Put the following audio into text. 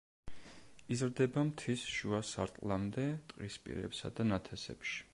იზრდება მთის შუა სარტყლამდე ტყისპირებსა და ნათესებში.